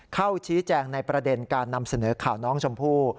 เข้าชี้แจงในประเด็นการนำเสนอข่าวน้องชมพู่